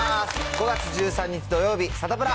５月１３日土曜日、サタプラ。